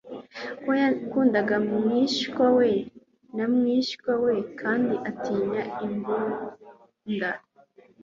ko yakundaga mwishywa we na mwishywa we kandi atinya imbunda